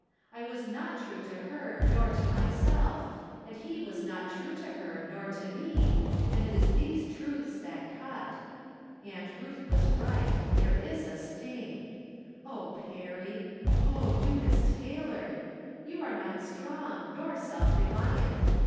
I was not true to her nor to myself, and he was not true to her nor to me, and it is these truths that cut. ■ Aunt Ruth was right — ^there is a sting. Oh, Perry ! Oh, Eunice Taylor! You are not strong, nor self reliant.